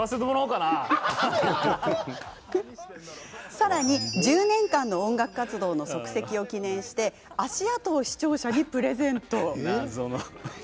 さらに、１０年間の音楽活動の足跡を記念して足跡を視聴者にプレゼント。